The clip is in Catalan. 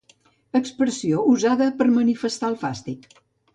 Expressió usada per a manifestar el fàstic